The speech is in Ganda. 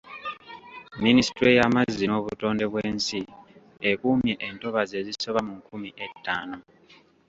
Ministule y'amazzi n'obutonde bw'ensi ekuumye entobazi ezisoba mu nkumi ettaano.